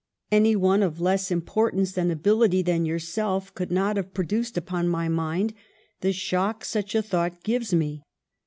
Any one of less importance and ability than yourself could not have produced upon my mind the shock such a thought gives me.